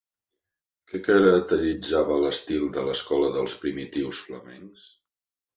Què caracteritzava l'estil de l'Escola dels primitius flamencs?